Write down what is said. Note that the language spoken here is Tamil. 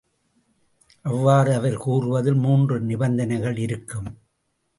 அவ்வாறு அவர் கூறுவதில் மூன்று நிபந்தனைகள் இருக்கும்.